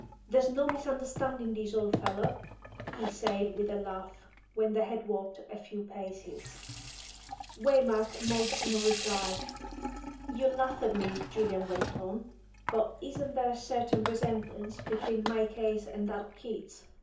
"There's no misunderstanding this, old fellow," he said, with a laugh, when they had walked a few paces. Waymark made no reply. "You'll laugh at me," Julian went on, "but isn't there a certain resemblance between my case and that of Keats?